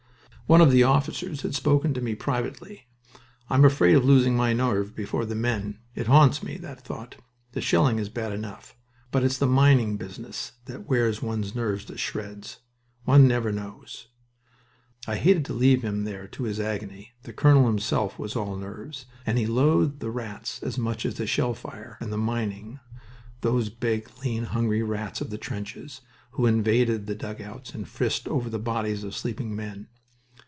One of the officers had spoken to me privately. "I'm afraid of losing my nerve before the men. It haunts me, that thought. The shelling is bad enough, but it's the mining business that wears one's nerve to shreds. One never knows." I hated to leave him there to his agony... The colonel himself was all nerves, and he loathed the rats as much as the shell fire and the mining, those big, lean, hungry rats of the trenches, who invaded the dugouts and frisked over the bodies of sleeping men.